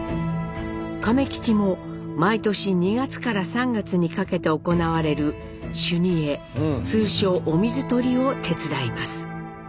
亀吉も毎年２月から３月にかけて行われる修二会通称「お水取り」を手伝います。